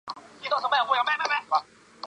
以下是赤道畿内亚的机场列表。